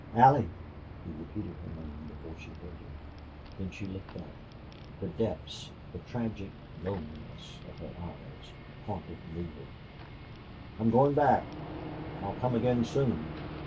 "Allie." He repeated her name before she heard him. Then she looked up. The depths the tragic lonesomeness of her eyes haunted Neale. "I'm going back. I'll come again soon."